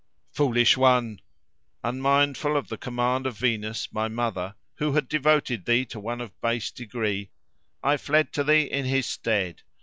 "Foolish one! unmindful of the command of Venus, my mother, who had devoted thee to one of base degree, I fled to thee in his stead.